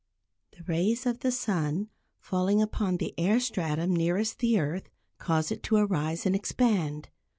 The rays of the sun falling upon the air stratum nearest the earth cause it to arise and expand.